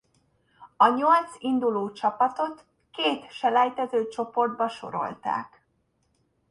A nyolc induló csapatot két selejtező csoportba sorolták.